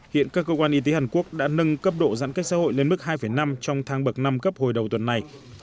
hiện các cơ quan y tế hàn quốc đã nâng cấp độ giãn cách xã hội lên mức hai năm trong tháng bậc năm cấp hồi đầu tuần này